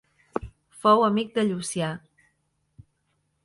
Fou amic de Llucià.